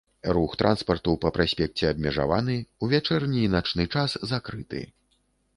Рух транспарту па праспекце абмежаваны, у вячэрні і начны час закрыты.